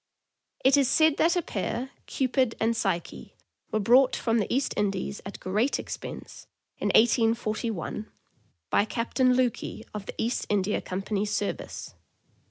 It is said that a pair, Cupid and Psyche, were brought from the East Indies at great expense, in 1841, by Captain Lukey, of the East India Company' s service.